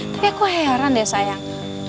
tapi aku heran deh sayang